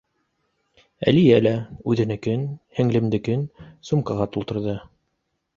Әлиә лә үҙенекен, һеңлемдекен сумкаға тултырҙы.